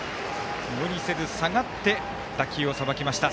無理せず下がって打球をさばきました。